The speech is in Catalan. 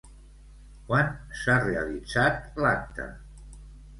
Quan s'ha realitzat l'acte?